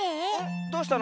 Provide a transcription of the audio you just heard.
どうしたの？